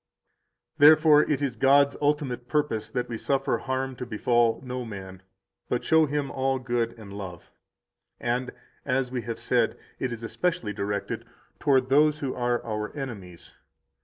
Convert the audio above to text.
193 Therefore it is God's ultimate purpose that we suffer harm to befall no man, but show him all good and love; 194 and, as we have said, it is specially directed toward those who are our enemies.